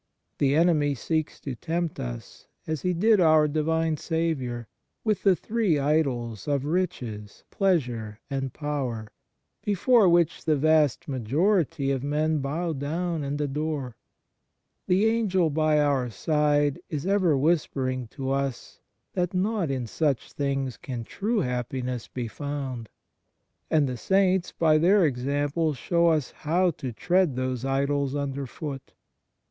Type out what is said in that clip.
The enemy seeks to tempt us, as he did our Divine Saviour, with the three idols of riches, pleasure, and power, before which the vast majority of men bow down and adore. The Angel by our side is ever whispering to us that not in such things can true happiness be found ; and the Saints by their example show us how to tread those idols under foot.